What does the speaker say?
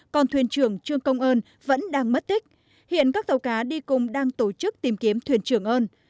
còn thuyền trưởng trương công ơn vẫn đang mất tích hiện các tàu cá đi cùng đang tổ chức tìm kiếm thuyền trưởng ơn